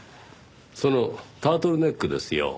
そのタートルネックですよ。